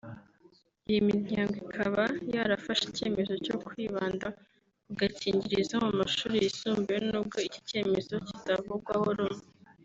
Iyi miryango ikaba yarafashe icyemezo cyo kwibanda ku gakingirizo mu mashuri yisumbuye n’ubwo iki cyemezo kitavugwaho rumwe